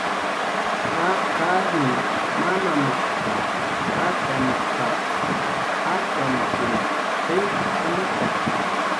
Jaqarn mamamshqa, tatamshqaps atxamkun qillqt'amata.